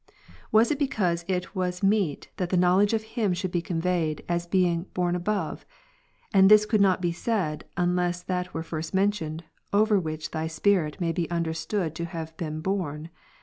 Was it because it was meet that the knowledge of Him should be conveyed, as being "borne above;" and this could not be said, unless that were first mentioned, over which Thy Spirit may be understood to have been borne.